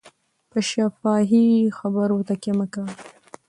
په شفاهي خبرو تکیه مه کوئ.